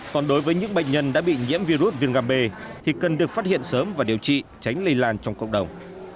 còn đối với những bệnh nhân đã bị nhiễm virus viêm ga b thì cần được phát hiện sớm và điều trị tránh lây lan trong cộng đồng